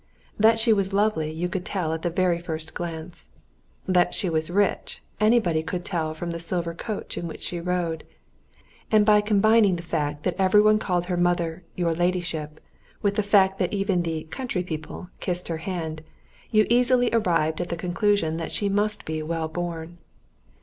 That she was lovely you could tell at the very first glance; that she was rich anybody could tell from the silver coach in which she rode; and by combining the fact that every one called her mother "Your Ladyship" with the fact that even the "country people" kissed her hand, you easily arrived at the conclusion that she must be well born.